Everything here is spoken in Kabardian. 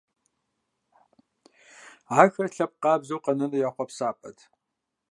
Ахэр лъэпкъ къабзэу къэнэну я хъуэпсапӀэт.